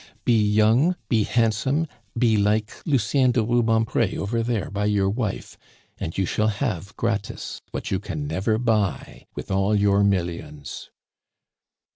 "Be young, be handsome, be like Lucien de Rubempre over there by your wife, and you shall have gratis what you can never buy with all your millions!"